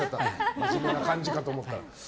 真面目な感じかと思ったら。